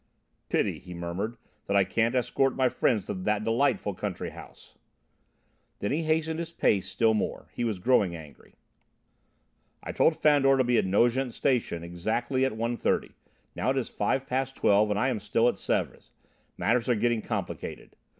"Pity," he murmured, "that I can't escort my friends to that delightful country house." Then he hastened his pace still more. He was growing angry. "I told Fandor to be at Nogent Station exactly at 1.30. It is now five past twelve and I am still at Sèvres. Matters are getting complicated.